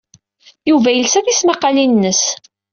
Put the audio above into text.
Yuba yelsa tismaqqalin-nnes.